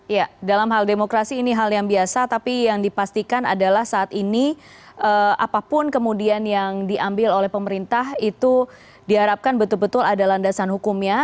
ya dalam hal demokrasi ini hal yang biasa tapi yang dipastikan adalah saat ini apapun kemudian yang diambil oleh pemerintah itu diharapkan betul betul ada landasan hukumnya